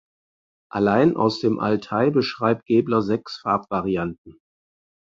Allein aus dem Altai beschreibt Gebler sechs Farbvarianten.